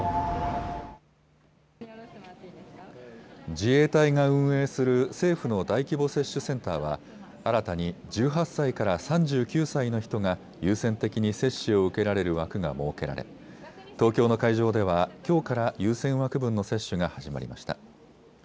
自衛隊が運営する政府の大規模接種センターは新たに１８歳から３９歳の人が優先的に接種を受けられる枠が設けられ東京の会場では、きょうから優先枠分の接種が始まりました。